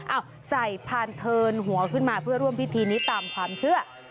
ใส่พานเทินหัวขึ้นมาเพื่อร่วมพิธีนี้ตามความเชื่อ